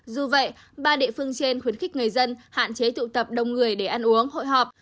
dù vậy ba địa phương trên khuyến khích người dân hạn chế tụ tập đông người để ăn uống hội họp